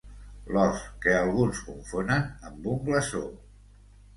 L'ós que alguns confonen amb un glaçó.